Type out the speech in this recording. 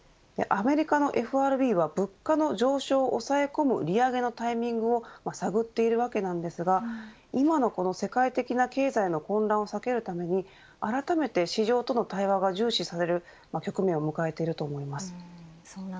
アメリカのＦＲＢは物価の上昇をおさえ込む利上げのタイミングを探っているわけですが今のこの世界的な経済の混乱を避けるためにあらためて市場との対話が重視される局面を迎えていると思います。